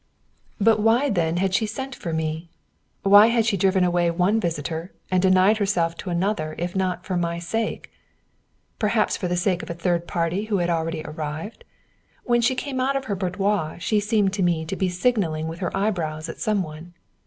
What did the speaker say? But why, then, had she sent for me? Why had she driven away one visitor and denied herself to another if not for my sake? Perhaps for the sake of a third party who had already arrived? When she came out of her boudoir she seemed to me to be signalling with her eyebrows at some one.